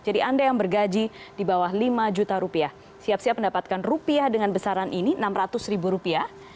jadi anda yang bergaji di bawah lima juta rupiah siap siap mendapatkan rupiah dengan besaran ini enam ratus ribu rupiah